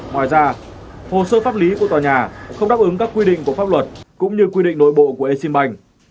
ngoài ra hồ sơ pháp lý của tòa nhà không đáp ứng các quy định của pháp luật cũng như quy định nội bộ của exim bank